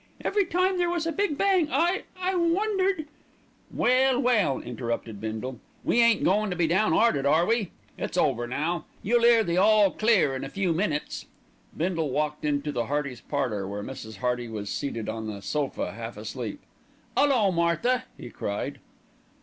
Every time there was a big bang I I wondered " "Well, well!" interrupted Bindle, "we ain't goin' to be down 'earted, are we? It's over now, you'll 'ear the 'All Clear' in a few minutes." Bindle walked into the Heartys' parlour, where Mrs. Hearty was seated on the sofa half asleep. "'Ullo, Martha!" he cried.